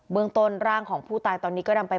เมืองต้นร่างของผู้ตายตอนนี้ก็นำไป